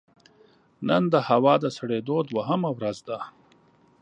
نن د هوا د سړېدو دوهمه ورځ ده